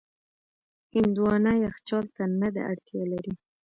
هندوانه یخچال ته نه ده اړتیا لري.